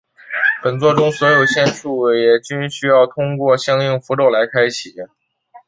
本作中所有仙术也均需要通过使用相应符咒来开启。